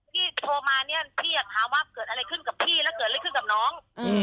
ที่โทรมาเนี่ยพี่อยากถามว่าเกิดอะไรขึ้นกับพี่แล้วเกิดอะไรขึ้นกับน้อง